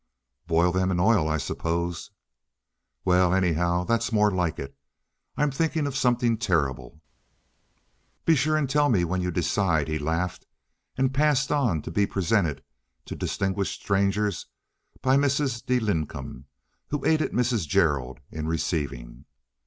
"Boil them in oil, I suppose." "Well, anyhow, that's more like. I'm thinking of something terrible." "Be sure and tell me when you decide," he laughed, and passed on to be presented to distinguished strangers by Mrs. De Lincum who aided Mrs. Gerald in receiving.